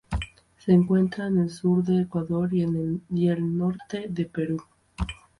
Se encuentra en el sur de Ecuador y el norte de Perú.